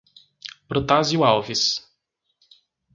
Protásio Alves